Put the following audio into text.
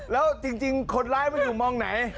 แล้วจริงคนร้ายมันอยู่มองไหน